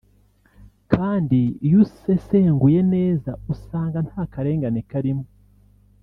kandi iyo usesenguye neza usanga nta karengane karimo”